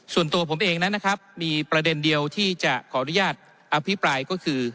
ส่วนตัวผมเองนั้นนะครับมีประเด็นเดียวที่จะขออนุญาตอภิปรายก็คือ